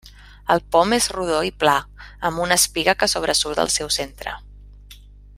El pom és rodó i pla amb una espiga que sobresurt del seu centre.